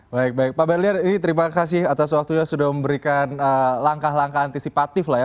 baik baik pak berlian ini terima kasih atas waktunya sudah memberikan langkah langkah antisipatif lah ya